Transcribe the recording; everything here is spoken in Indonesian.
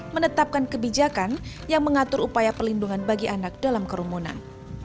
menetapkan kebijakan yang mengatur upaya pelindungan bagi anak dalam kerumunan